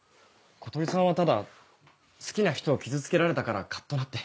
小鳥さんはただ好きな人を傷つけられたからカッとなって。